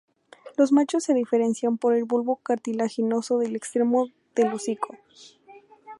Los machos se diferencian por el bulbo cartilaginoso del extremo del hocico.